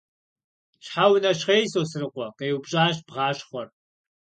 – Щхьэ унэщхъей, Сосрыкъуэ? – къеупщӀащ бгъащхъуэр.